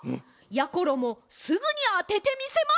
やころもすぐにあててみせます。